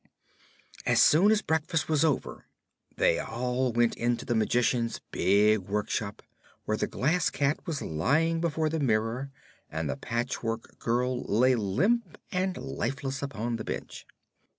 As soon as breakfast was over they all went into the Magician's big workshop, where the Glass Cat was lying before the mirror and the Patchwork Girl lay limp and lifeless upon the bench.